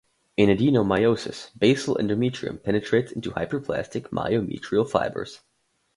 In adenomyosis, "basal" endometrium penetrates into hyperplastic myometrial fibers.